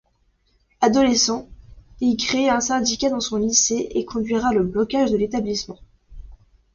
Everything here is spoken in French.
Adolescent, il crée un syndicat dans son lycée et conduira le blocage de l'établissement.